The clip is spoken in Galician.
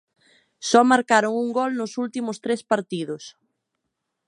Só marcaron un gol nos últimos tres partidos.